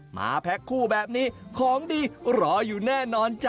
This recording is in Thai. แพ็คคู่แบบนี้ของดีรออยู่แน่นอนจ้ะ